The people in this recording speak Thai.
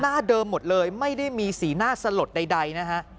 หน้าเดิมหมดเลยไม่ได้มีสีหน้าสลดใดนะฮะ